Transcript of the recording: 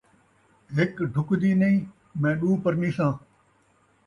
ہک ڈُھکدی نئیں ، میں ݙو پرنیساں